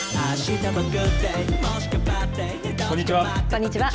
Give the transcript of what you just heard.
こんにちは。